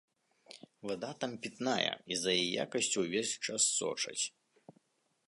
Вада там пітная і за яе якасцю ўвесь час сочаць.